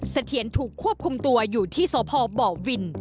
เสถียรถูกควบคุมตัวอยู่ที่สพบวิน